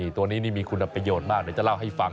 ตัวนี้นี่มีคุณประโยชน์มากเดี๋ยวจะเล่าให้ฟัง